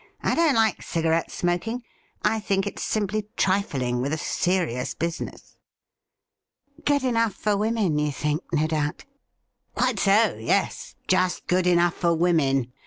I don't like cigarette smoking. I think it's simply trifling with a serious business.' ' Good enough for women, you think, no doubt ?'' Quite so ; yes. Just good enough for women.